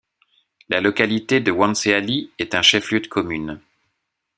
La localité de Wonséaly est un chef-lieu de commune.